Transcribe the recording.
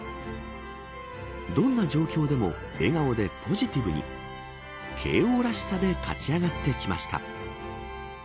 どんな状況でも笑顔でポジティブに慶応らしさで勝ち上がってきました。